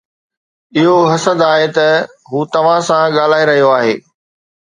اهو حسد آهي ته هو توهان سان ڳالهائي رهيو آهي